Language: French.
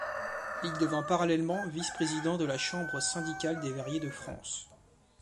Il devint parallèlement vice-président de la Chambre syndicale des verriers de France.